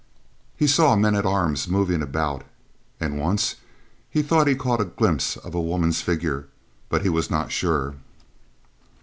He saw men at arms moving about, and once he thought he caught a glimpse of a woman's figure, but he was not sure.